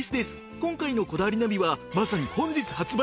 今回の『こだわりナビ』はまさに本日発売！